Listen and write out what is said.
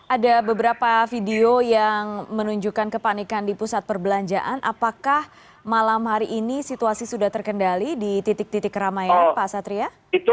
ada beberapa video yang menunjukkan kepanikan di pusat perbelanjaan apakah malam hari ini situasi sudah terkendali di titik titik keramaian pak satria